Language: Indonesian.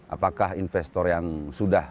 apakah investor yang sudah